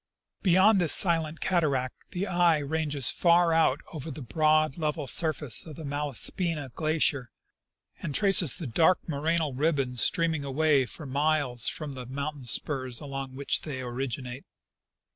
Beyond this silent cataract, the eye ranges far out over the broad, level surface of the Malaspina glacier, and traces the dark morainal ribbons streaming away for miles from the mountain spurs among which the}^ originate.